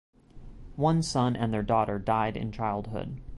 One son and their daughter died in childhood.